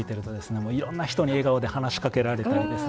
もういろんな人に笑顔で話しかけられたんですね。